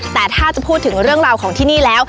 แต่ถ้าจะพูดถึงเรื่องราวของที่นี่แล้ว